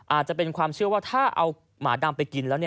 อาจจะเป็นความเชื่อว่าถ้าเอาหมาดำไปกินแล้ว